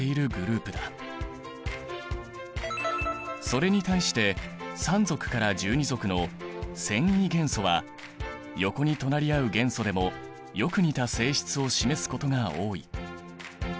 それに対して３族から１２族の遷移元素は横に隣り合う元素でもよく似た性質を示すことが多い。